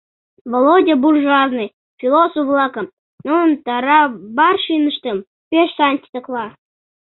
— Володя буржуазный философ-влакым, нунын тарабарщиныштым пеш сайын титакла.